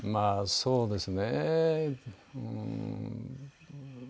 そうですか。